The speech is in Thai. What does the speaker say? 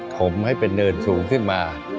มให้เป็นเนินสูงขึ้นมา